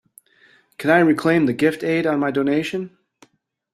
Can I reclaim the gift aid on my donation?